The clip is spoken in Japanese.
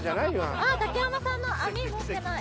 ああ竹山さんの網持ってない。